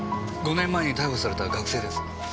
５年前に逮捕された学生です。